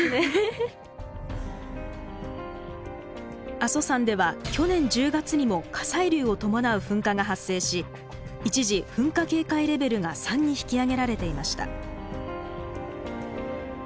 阿蘇山では去年１０月にも火砕流を伴う噴火が発生し一時噴火警戒レベルが３に引き上げられていました。